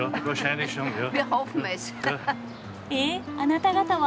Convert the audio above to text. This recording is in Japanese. えっあなた方は？